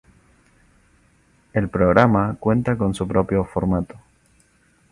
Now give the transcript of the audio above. El programa cuenta con su propio formato.